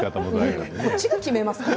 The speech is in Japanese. こっちが決めますから。